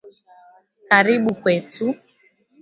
Karibu Kwetu